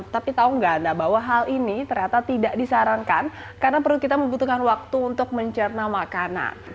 tapi tahu nggak bahwa hal ini ternyata tidak disarankan karena perut kita membutuhkan waktu untuk mencerna makanan